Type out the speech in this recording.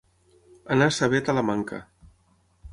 Anar a saber a Talamanca.